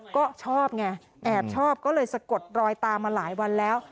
ก็ชอบไงแอบชอบก็เลยสะกดรอยตามมาหลายวันแล้ว